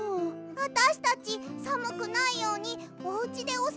あたしたちさむくないようにおうちでおせわするよ。